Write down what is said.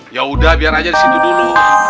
yaudah biar aja disitu dulu